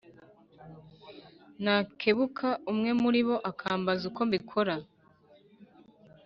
Nakebuka umwe muli bo akambaza uko mbikora